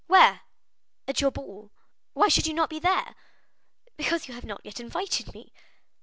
"Where?" "At your ball." "Why should you not be there?" "Because you have not yet invited me."